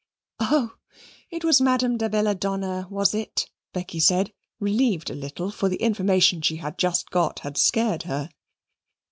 "Oh, it was Madame de Belladonna, was it?" Becky said, relieved a little, for the information she had just got had scared her.